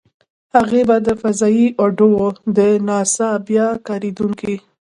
هغې به د فضايي اډو - د ناسا بیا کارېدونکې.